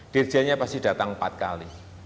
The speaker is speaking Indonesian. dirjanya pasti datang empat kali